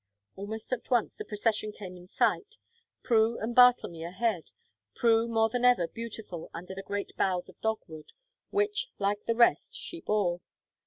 Almost at once the procession came in sight. Prue and Bartlemy ahead, Prue more than ever beautiful under the great boughs of dogwood, which, like the rest, she bore.